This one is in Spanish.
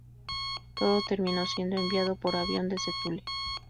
Todo terminó siendo enviado por avión desde Thule.